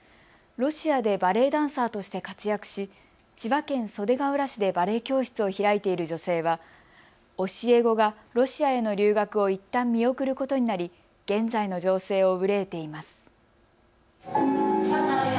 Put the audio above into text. ロシアでバレエダンサーとして活躍し千葉県袖ケ浦市でバレエ教室を開いている女性は教え子がロシアへの留学をいったん見送ることになり現在の情勢を憂えています。